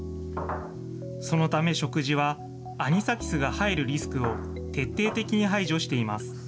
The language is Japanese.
そのため食事は、アニサキスが入るリスクを徹底的に排除しています。